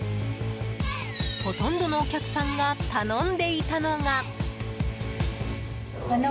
ほとんどのお客さんが頼んでいたのが。